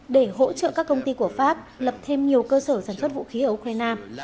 để hỗ trợ các công ty của pháp lập thêm nhiều cơ sở sản xuất vũ khí ở ukraine